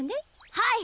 はい！